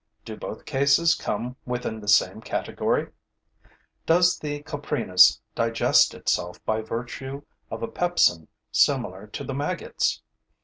Do both cases come within the same category? Does the coprinus digest itself by virtue of a pepsin similar to the maggots'?